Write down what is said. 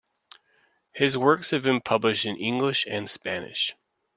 His works have been published in English and Spanish.